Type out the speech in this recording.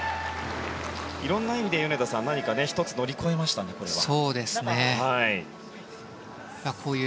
色んな意味で米田さん１つ乗り越えましたね、これは。